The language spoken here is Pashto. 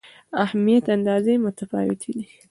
اهمیت اندازې متفاوتې دي.